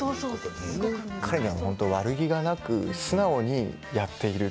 悪気はなく素直にやっている。